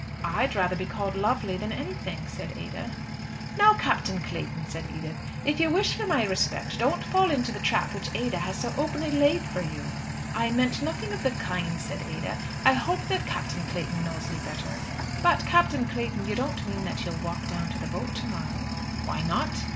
"I'd rather be called lovely than anything," said Ada. "Now, Captain Clayton," said Edith, "if you wish for my respect, don't fall into the trap which Ada has so openly laid for you." "I meant nothing of the kind," said Ada. "I hope that Captain Clayton knows me better. But, Captain Clayton, you don't mean that you'll walk down to the boat to morrow?" "Why not?